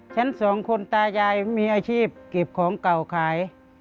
ฉันสองคนตายายมีอาชีพเก็บของเก่าขาย